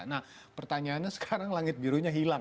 nah pertanyaannya sekarang langit birunya hilang